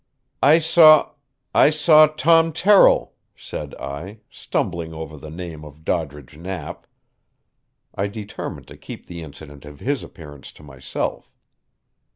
"I saw I saw Tom Terrill," said I, stumbling over the name of Doddridge Knapp. I determined to keep the incident of his appearance to myself.